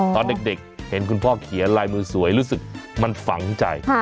ตอนเด็กเห็นคุณพ่อเขียนลายมือสวยรู้สึกมันฝังใจ